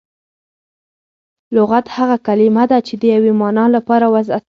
لغت هغه کلیمه ده، چي د یوې مانا له پاره وضع سوی وي.